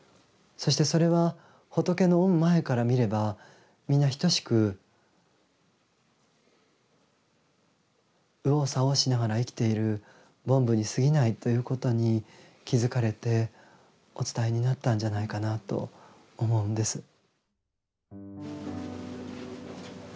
そしてそれは仏の御前から見れば皆等しく右往左往しながら生きている凡夫にすぎないということに気付かれてお伝えになったんじゃないかなと思うんです。